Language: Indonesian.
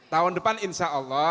tahun depan insya allah